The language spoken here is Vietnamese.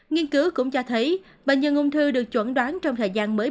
nghiên cứu cũng cho thấy bệnh nhân ung thư được chuẩn đoán trong thời gian mới